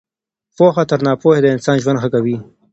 پوهه تر ناپوهۍ د انسان ژوند ښه کوي.